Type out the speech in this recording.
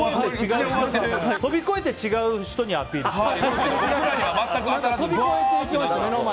飛び越えて違う人にアピールしてる。